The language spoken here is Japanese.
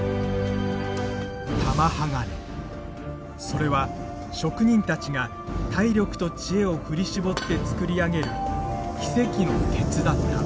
それは職人たちが体力と知恵を振り絞ってつくり上げる奇跡の鉄だった。